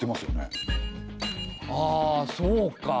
ああそうか。